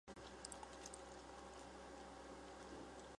此类的飞地之存在型态完全符合内飞地最严谨狭义的定义。